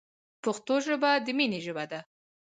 پښتو ژبه د مینې ژبه ده.